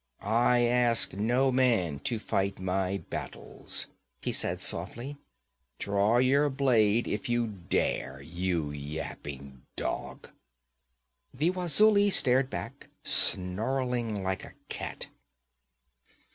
'I ask no man to fight my battles,' he said softly. 'Draw your blade if you dare, you yapping dog!' The Wazuli started back, snarling like a cat.